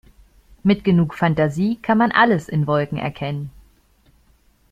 Mit genug Fantasie kann man alles in Wolken erkennen.